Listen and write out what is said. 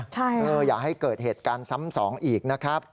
ใช่ค่ะอย่าให้เกิดเหตุการณ์ซ้ำสองอีกนะครับ